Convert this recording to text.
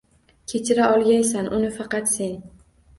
Kechira olgaysan uni faqat sen…